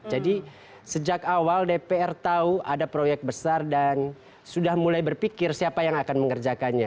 jadi sejak awal dpr tahu ada proyek besar dan sudah mulai berpikir siapa yang akan mengerjakannya